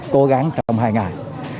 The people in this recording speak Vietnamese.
cố gắng trong hai ngày